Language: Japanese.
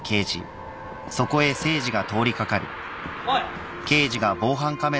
おい。